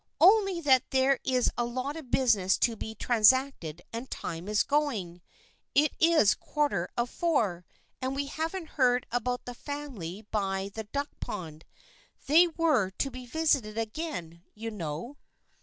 " Only that there is a lot of business to be trans acted, and time is going. It is quarter of four, and we haven't heard about the family by the duck pond. They were to be visited again, you know."